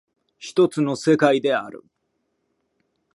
一つの世界である。